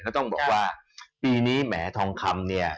ต้องบอกว่าปีนี้แหมทองคำเนี่ย